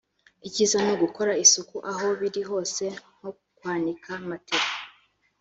icyiza ni ugukora isuku aho biri hose nko kwanika matelas